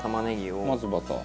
まずバター。